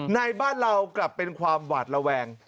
ในบ้านเรากลับเป็นความหวาดระแวง